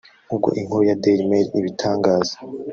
nk’uko inkuru ya Dailymail ibitangaza